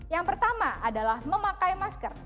yang pertama adalah memakai masker